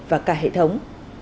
và cả hệ thống